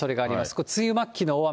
これ、梅雨末期の大雨。